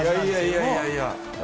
いやいやいやいや。